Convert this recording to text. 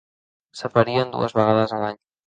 S'aparien dues vegades a l'any.